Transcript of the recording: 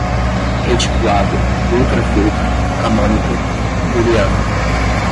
reticulado, ultrafiltro, canônica, booleana